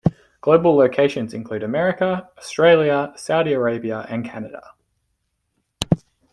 Global locations include America, Australia, Saudi Arabia and Canada.